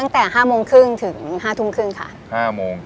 ถูกต้อง